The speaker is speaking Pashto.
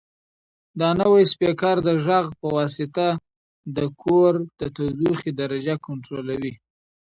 دا نوی سپیکر د غږ په واسطه د کور د تودوخې درجه کنټرولوي.